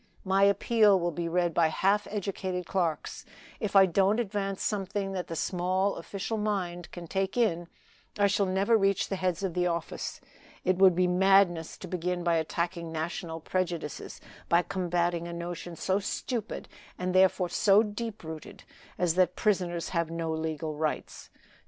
My appeal will be read by half educated clerks. If I don't advance something that the small official mind can take in, I shall never reach the heads of the office. It would be madness to begin by attacking national prejudices, by combating a notion so stupid, and therefore so deep rooted, as that prisoners have no legal rights.